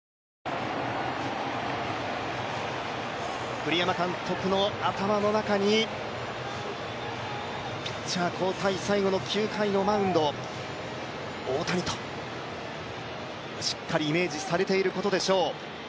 栗山監督の頭の中にピッチャー交代、最後の９回のマウンド、大谷としっかりイメージされていることでしょう。